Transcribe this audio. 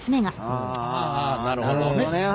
なるほどね。